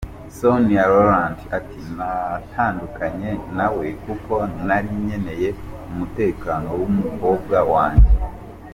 Sonia Rolland ati “Natandukanye na we kuko nari nkeneye umutekano w’umukobwa wanjye.